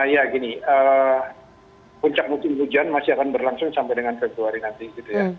ya gini puncak hujan masih akan berlangsung sampai dengan februari nanti